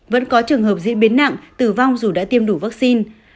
vẫn có trường hợp diễn biến nặng tử vong dù đã tiêm đủ vaccine